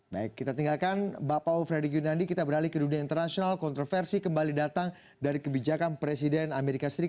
baik kita tinggalkan bapau frederick yunadi kita beralih ke dunia internasional kontroversi kembali datang dari kebijakan presiden amerika serikat donald trump